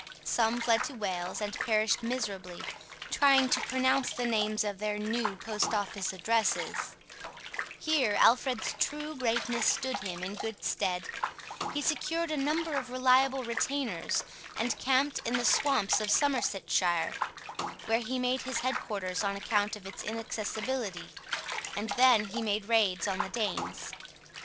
Some fled to Wales and perished miserably trying to pronounce the names of their new post office addresses. [Illustration: ALFRED, DISGUISED AS A GLEEMAN, IS INTRODUCED TO GUTHRUN.] Here Alfred's true greatness stood him in good stead. He secured a number of reliable retainers and camped in the swamps of Somersetshire, where he made his head quarters on account of its inaccessibility, and then he made raids on the Danes.